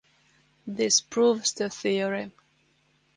This proves the theorem.